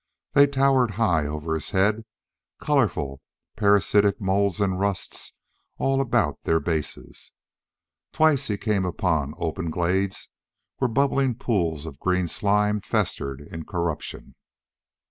They towered high over his head, colorful, parasitic moulds and rusts all about their bases. Twice he came upon open glades where bubbling pools of green slime festered in corruption.